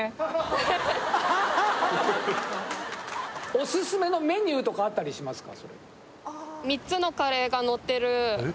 オススメのメニューとかあったりしますか？